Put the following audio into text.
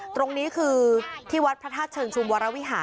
ตรงนี้คือที่วัดพระธาตุเชิงชุมวรวิหาร